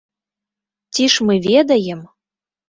Ці ж мы ведаем?!